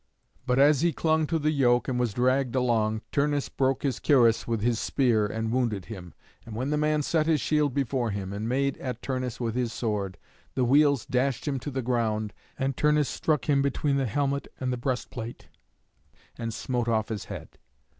But as he clung to the yoke and was dragged along, Turnus broke his cuirass with his spear, and wounded him. And when the man set his shield before him, and made at Turnus with his sword, the wheels dashed him to the ground, and Turnus struck him between the helmet and the breast plate, and smote off his head.